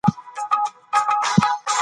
دا چېپونه مخکې ذخیره شوي وو.